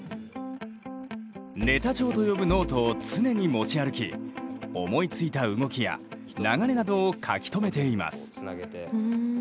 「ネタ帳」と呼ぶノートを常に持ち歩き思いついた動きや流れなどを書き留めています。